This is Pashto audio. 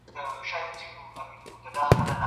روزنه او مطالعه تر تشو شعارونو ډېره ګټه لري.